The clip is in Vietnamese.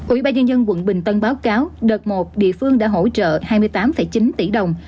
ủy ban nhân dân quận bình tân báo cáo đợt một địa phương đã hỗ trợ hai mươi tám chín tỷ đồng